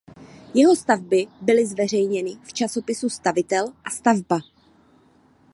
Jeho stavby byly zveřejněny v časopisu Stavitel a Stavba.